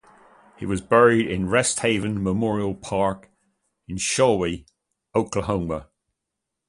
He was buried in Resthaven Memorial Park in Shawnee, Oklahoma.